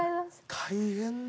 大変だ。